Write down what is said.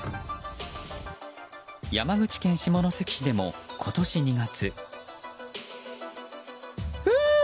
山口県下関市でも今年２月。